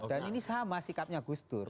dan ini sama sikapnya gus dur